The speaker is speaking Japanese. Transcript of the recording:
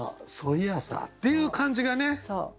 そういやさっていう感じがね。